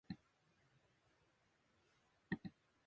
举头三尺有神明。